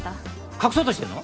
隠そうとしてんの？